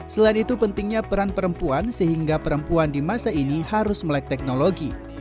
selain itu pentingnya peran perempuan sehingga perempuan di masa ini harus melek teknologi